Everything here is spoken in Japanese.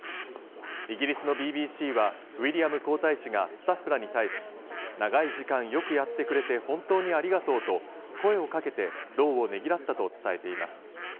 イギリスのＢＢＣはウィリアム皇太子がスタッフらに対し、長い時間よくやってくれて本当にありがとうと声をかけて労をねぎらったと伝えています。